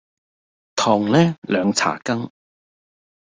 糖呢兩茶匙